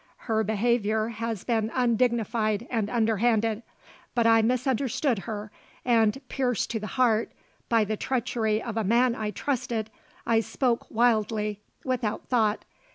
Her behaviour has been undignified and underhanded; but I misunderstood her, and, pierced to the heart by the treachery of a man I trusted, I spoke wildly, without thought.